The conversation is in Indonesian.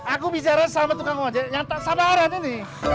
aku bicara sama tukang ojek yang tak sabaran ini